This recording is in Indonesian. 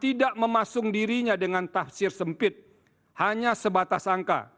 tidak memasung dirinya dengan tafsir sempit hanya sebatas angka